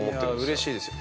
◆うれしいですよ。